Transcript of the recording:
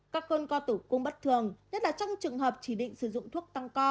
các cơn co tử cung bất thường nhất là trong trường hợp chỉ định sử dụng thuốc tăng co